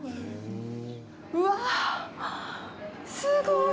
うわぁ、すごい！